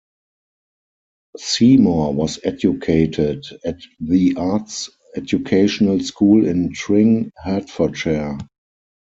Seymour was educated at the Arts Educational School in Tring, Hertfordshire.